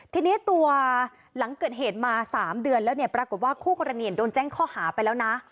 ทีนี้ตัวหลังเกิดเหตุมา๓เดือนแล้วเนี่ยปรากฏว่าคู่กรณีโดนแจ้งข้อหาไปแล้วนะ